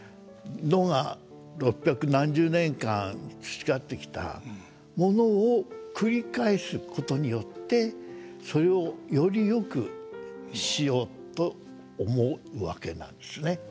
能が六百何十年間培ってきたものを繰り返すことによってそれをよりよくしようと思うわけなんですね。